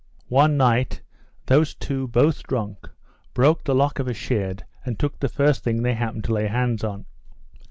One night, those two, both drunk, broke the lock of a shed and took the first thing they happened to lay hands on.